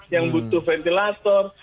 yang butuh ventilator